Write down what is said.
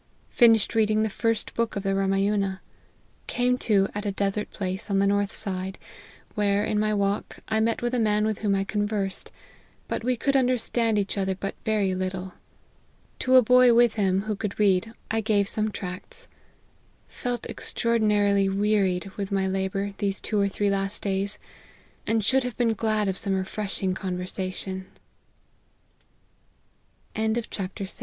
Finished reading the first book of the Ramayuna. Came to at a desert place on the north side ; where, in my walk, I met with a man with whom I conversed ; but we could under stand each other but very little. To a boy with him, who could read, I gave some tracts. Felt extraordinarily wearied with my labour these twc or three last days ; and should have been glad of some